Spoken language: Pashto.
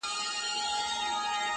پر نرۍ لښته زنګېده، اخیر پرېشانه سوله؛